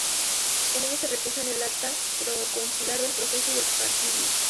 En ella se recogen el acta proconsular del proceso y del martirio.